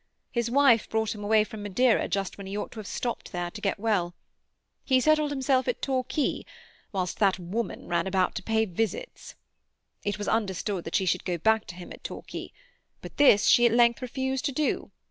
His wife brought him away from Madeira just when he ought to have stopped there to get well. He settled himself at Torquay, whilst that woman ran about to pay visits. It was understood that she should go back to him at Torquay, but this she at length refused to do.